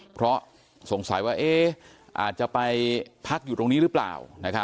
เพราะสงสัยว่าอาจจะไปพักอยู่ตรงนี้หรือเปล่า